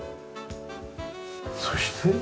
そして？